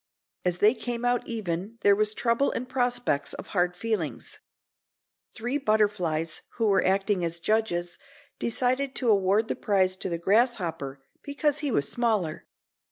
As they came out even there was trouble and prospects of hard feelings. Three butterflies who were acting as judges decided to award the prize to the grasshopper because he was smaller.